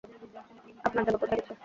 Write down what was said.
আপনার দেবর কোথায় গেছে?